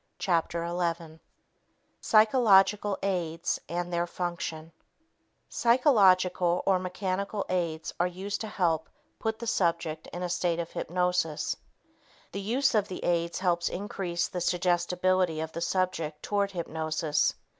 Chapter 11 Psychological Aids and Their Function Psychological or mechanical aids are used to help put the subject in a state of hypnosis. The use of the aids helps increase the suggestibility of the subject toward hypnosis.